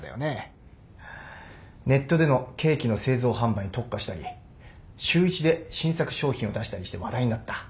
ネットでのケーキの製造販売に特化したり週１で新作商品を出したりして話題になった。